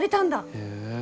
へえ。